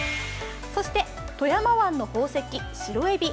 そして、富山湾の宝石・白えび。